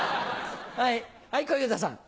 はい小遊三さん。